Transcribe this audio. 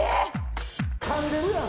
かんでるやん！